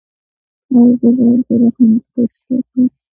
ایا زه باید د رحم ټسټ وکړم؟